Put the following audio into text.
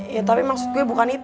ya tapi maksud gue bukan itu